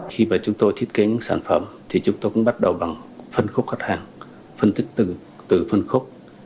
khi mà chúng tôi thiết kế những sản phẩm thì chúng tôi cũng bắt đầu bằng phân khúc khách hàng phân tích từ phân khúc